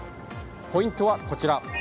ポイントはこちら。